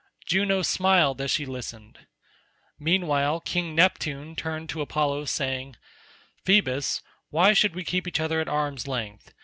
Juno smiled as she listened. Meanwhile King Neptune turned to Apollo saying, "Phoebus, why should we keep each other at arm's length?